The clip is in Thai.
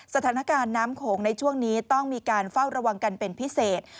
สถานการณ์น้ำโขงในช่วงนี้ต้องมีการเฝ้าระวังกันเป็นพิเศษ